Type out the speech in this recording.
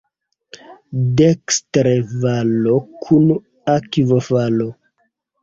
Dekstre valo kun akvofalo.